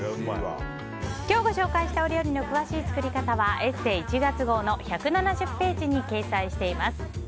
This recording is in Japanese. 今日ご紹介したお料理の詳しい作り方は「ＥＳＳＥ」１月号の１７０ページに掲載しています。